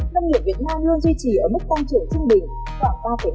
nông nghiệp việt nam luôn duy trì ở mức tăng trưởng chung bình